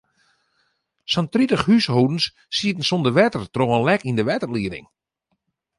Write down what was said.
Sa'n tritich húshâldens sieten sonder wetter troch in lek yn de wetterlieding.